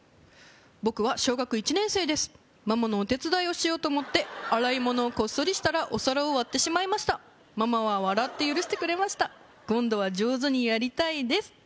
僕は小学１年生ですママのお手伝いをしようと思って洗い物をこっそりしたらお皿を割ってしまいましたママは笑って許してくれました今度は上手にやりたいです